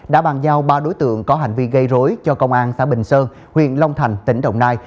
đã bàn giao ba đối tượng có hành vi gây rối cho công an xã bình sơn huyện long thành tỉnh đồng nai